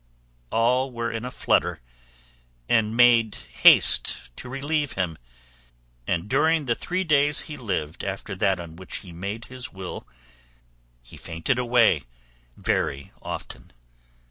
All were in a flutter and made haste to relieve him, and during the three days he lived after that on which he made his will he fainted away very often.